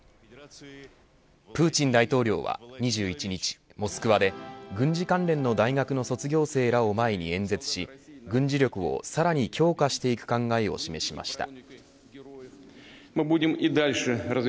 プーチン大統領は２１日モスクワで軍事関連の大学の卒業生らを前に演説し軍事力をさらに強化していく考えを示しました。